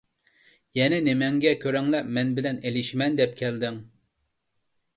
يەنە نېمەڭگە كۆرەڭلەپ مەن بىلەن ئېلىشىمەن دەپ كەلدىڭ؟